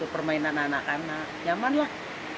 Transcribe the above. permainan anak anak nyaman lah